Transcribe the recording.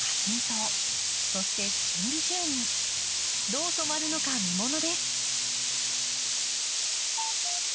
どう染まるのか見ものです。